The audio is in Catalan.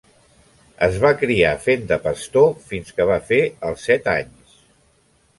Es va criar fent de pastor fins que va fer els set anys.